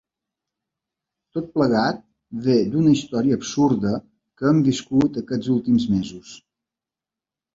Tot plegat ve d’una història absurda que hem viscut aquests últims mesos.